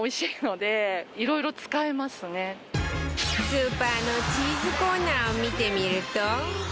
スーパーのチーズコーナーを見てみると